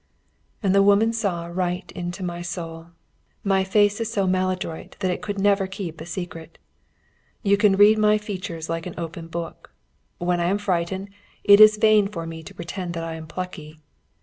And the woman saw right into my soul. My face is so maladroit that it never could keep a secret. You can read my features like an open book. When I am frightened, it is vain for me to pretend that I am plucky.